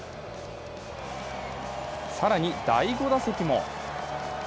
更に第５打席も。